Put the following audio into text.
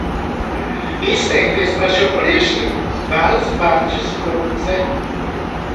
Izteikties par šo priekšlikumu vēlas Barčas kundze.